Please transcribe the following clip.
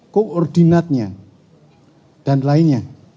koordinatnya dan lainnya